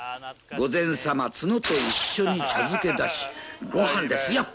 午前様角と一緒に茶漬け出し「ごはんですよ！」